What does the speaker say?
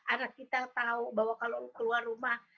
anak kita tahu bahwa kalau keluar rumah